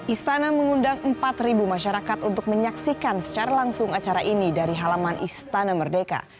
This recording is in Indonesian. istana mengundang empat masyarakat untuk menyaksikan secara langsung acara ini dari halaman istana merdeka